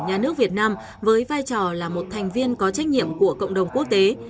nhà nước việt nam với vai trò là một thành viên có trách nhiệm của cộng đồng quốc tế